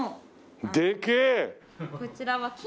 こちらの。